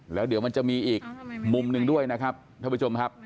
แล้วเดี๋ยวมันจะมีอีกมุมหนึ่งด้วยนะครับท่านผู้ชมครับ